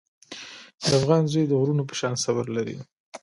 د افغان زوی د غرونو په شان صبر لري.